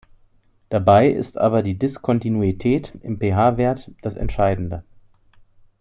Dabei ist aber die Diskontinuität im pH-Wert das Entscheidende.